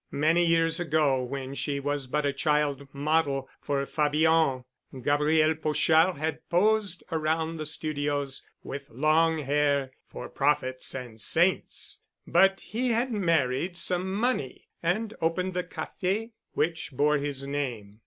Many years ago, when she was but a child model for Fabien, Gabriel Pochard had posed around the studios with long hair, for prophets and saints. But he had married some money and opened the café which bore his name.